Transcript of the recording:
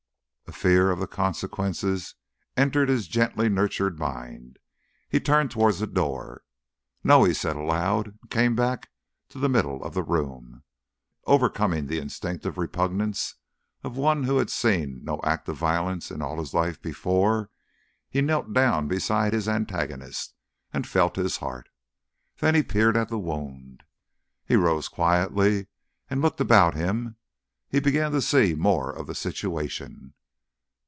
A fear of the consequences entered his gently nurtured mind. He turned towards the door. "No," he said aloud, and came back to the middle of the room. Overcoming the instinctive repugnance of one who had seen no act of violence in all his life before, he knelt down beside his antagonist and felt his heart. Then he peered at the wound. He rose quietly and looked about him. He began to see more of the situation.